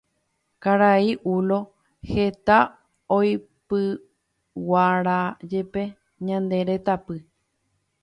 Karai Ulo heta oipyguarajepe ñane retãpy